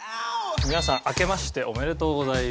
皆さんあけましておめでとうございます。